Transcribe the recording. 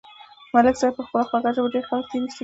ملک صاحب په خپله خوږه ژبه ډېر خلک تېر ایستلي دي.